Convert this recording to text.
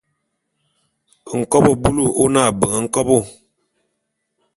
Nkobô bulu ô ne abeng nkobo.